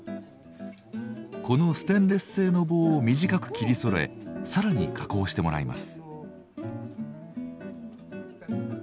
このステンレス製の棒を短く切りそろえ更に加工をしてもらいます。